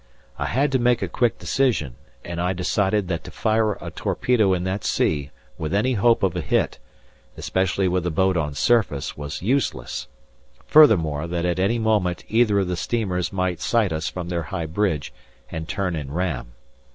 I had to make a quick decision, and I decided that to fire a torpedo in that sea with any hope of a hit, especially with the boat on surface, was useless; furthermore, that at any moment either of the steamers might sight us from their high bridge and turn and ram.